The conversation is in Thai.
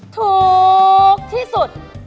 ถูกที่สุด